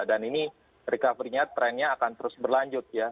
dan ini recovery nya trendnya akan terus berlanjut ya